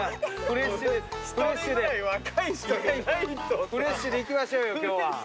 フレッシュでいきましょうよ今日は。